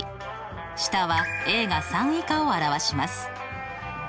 下はが３以下を表します。